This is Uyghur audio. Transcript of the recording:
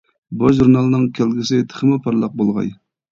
بۇ ژۇرنالنىڭ كەلگۈسى تېخىمۇ پارلاق بولغاي!